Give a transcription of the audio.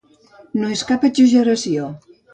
No és cap exageració.